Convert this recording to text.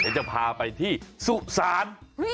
เดี๋ยวจะพาไปที่สุสาน